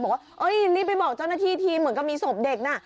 บอกว่ารีบไปบอกเจ้าหน้าที่ทีเหมือนกับมีศพเด็กน่ะ